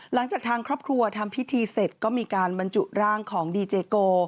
หลังจากทางครอบครัวทำพิธีเสร็จก็มีการบรรจุร่างของดีเจโก